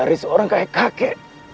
nanti aku kinggir kembali